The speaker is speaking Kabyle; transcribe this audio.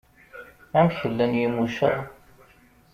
Amek llan Yimucaɣ?